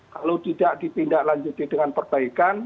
kalau tidak dipindah lanjuti dengan perbaikan